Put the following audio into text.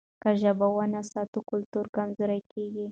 که ژبه ونه ساتو کلتور کمزوری کېږي.